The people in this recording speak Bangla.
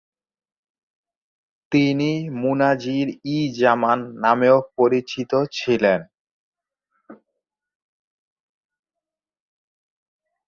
তিনি "মুনাজির-ই-জামান" নামেও পরিচিত ছিলেন।